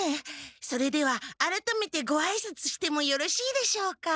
それではあらためてごあいさつしてもよろしいでしょうか？